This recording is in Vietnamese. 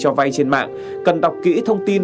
cho vay trên mạng cần đọc kỹ thông tin